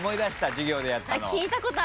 授業でやったの。